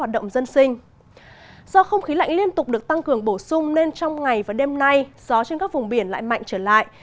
do không khí lạnh liên tục được tăng cường bổ sung nên trong ngày và đêm nay gió trên các vùng biển lại mạnh trở lại